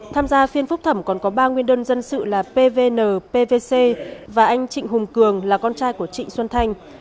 tham gia phiên phúc thẩm còn có ba nguyên đơn dân sự là pvn pvc và anh trịnh hùng cường là con trai của trịnh xuân thanh